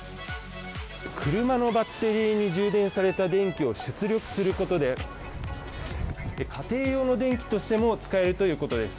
車のバッテリーに充電された電力を出力することで家庭用の電気としても使えるということです。